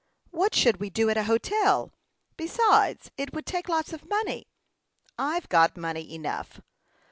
"What should we do at a hotel? Besides, it would take lots of money." "I've got money enough."